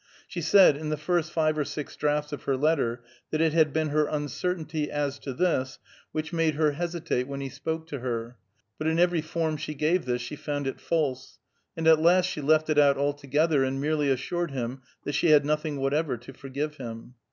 She said, in the first five or six drafts of her letter, that it had been her uncertainty as to this which made her hesitate when he spoke to her, but in every form she gave this she found it false; and at last she left it out altogether, and merely assured him that she had nothing whatever to forgive him.